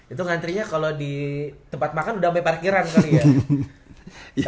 itu antri nya kalo di tempat makan udah sampe parkiran kali ya